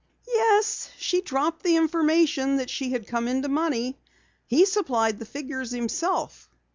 "Yes, she dropped the information that she had come into money. He supplied figures himself."